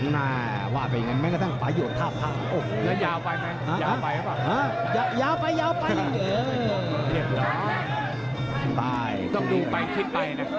ว่าไปอย่างงั้นเม้งกระทั่งปลายโยชน์ท่าผ้า